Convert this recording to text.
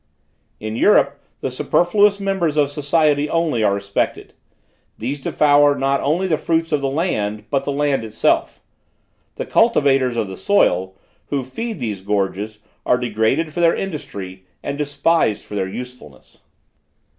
"In Europe, the superfluous members of society only are respected; these devour not only the fruits of the land but the land itself. The cultivators of the soil, who feed these gorges are degraded for their industry and despised for their usefulness.